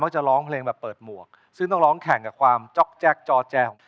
ไม่ต้องร้องแข่งกับความจ๊อกแจ้งจอแจ้ง